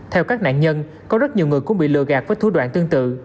theo các nạn nhân có rất nhiều người cũng bị lừa gạt với thủ đoạn tương tự